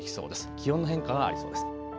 気温の変化がありそうです。